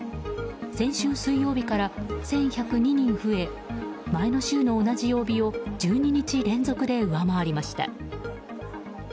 先週水曜日から１１０２人増え前の週の同じ曜日を１２日連続で上回りました。